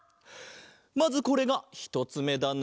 まずこれがひとつめだな。